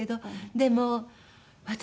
でも私